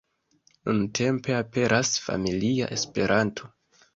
Nuntempe aperas "Familia Esperanto".